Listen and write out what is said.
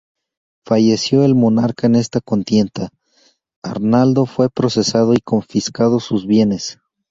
Fallecido el monarca en esta contienda, Arnaldo fue procesado y confiscados sus bienes.